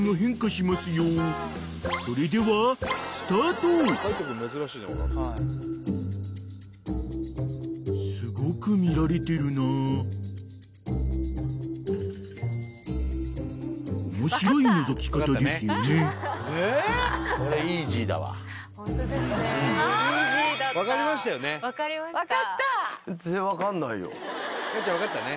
真由ちゃん分かったね？